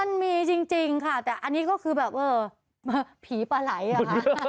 มันมีจริงค่ะแต่อันนี้ก็คือแบบเออผีปลาไหล่อ่ะค่ะ